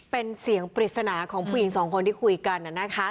เป็นเสียงปิสถานะของผู้หญิงสองคนที่คุยกันน่ะนะคะ